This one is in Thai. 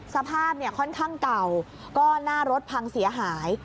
สภาพเนี่ยค่อนข้างเก่าก็หน้ารถพังเสียหาย